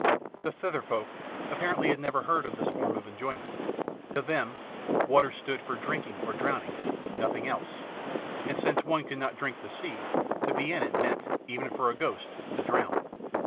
The Thither folk apparently had never heard of this form of enjoyment; to them water stood for drinking or drowning, nothing else, and since one could not drink the sea, to be in it meant, even for a ghost, to drown.